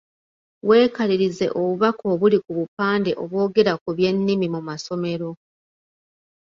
Weekalirize obubaka obuli ku bupande obwogera ku by’ennimi mu masomero.